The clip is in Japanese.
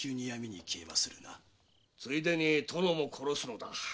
ついでに殿も殺すのだ。